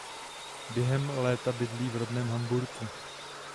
Během léta bydlí v rodném Hamburku.